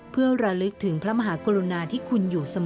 เพื่อระลึกถึงพระมหากรุณาที่คุณอยู่เสมอ